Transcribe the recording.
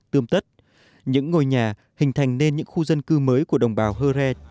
tươm tất những ngôi nhà hình thành nên những khu dân cư mới của đồng bào hơ re